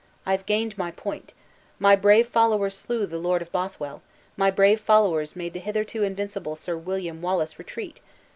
I have gained my point. My brave followers slew the Lord of Bothwell; my brave followers made the hitherto invincible Sir William Wallace retreat!